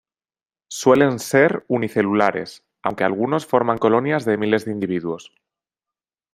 Suelen ser unicelulares, aunque algunos forman colonias de miles de individuos.